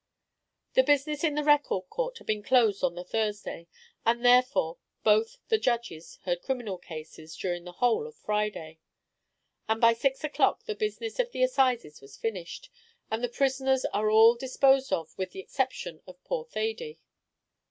The business in the Record Court had been closed on the Thursday, and therefore both the judges heard criminal cases during the whole of Friday; and by six o'clock the business of the assizes was finished, and the prisoners are all disposed of with the exception of poor Thady.